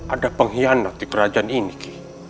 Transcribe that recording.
ada pengkhianat di kerajaan ini